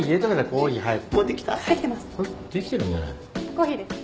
コーヒーです。